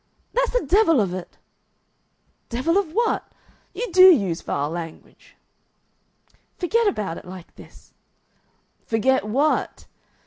"That's the devil of it!" "Devil of what?... You DO use vile language!" "Forget about it like this." "Forget WHAT?"